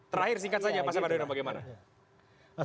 terakhir singkat saja pak sabadwina bagaimana